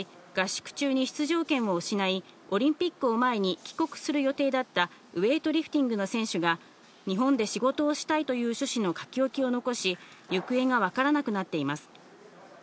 しかし、合宿中に出場権を失いオリンピックを前に帰国する予定だったウエイトリフティングの選手が、日本で仕事をしたいという趣旨の書き置きを残し、行方が分からなくなっています。